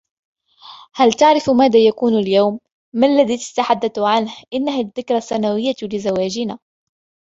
" هل تعرف ماذا يكون اليوم ؟"" ما الذي تتحدث عنهُ "" إنها الذكرى السنوية لزواجنا! "